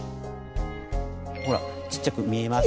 ほらちっちゃく見えますか？